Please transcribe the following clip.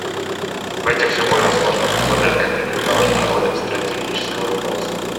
В этих все более сложных условиях как никогда важна роль стратегического руководства.